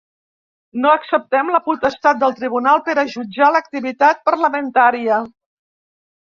No acceptem la potestat del tribunal per a jutjar l’activitat parlamentària.